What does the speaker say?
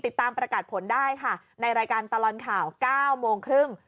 ติดตามประกาศผลได้ค่ะในรายการตลอดข่าว๙โมงครึ่ง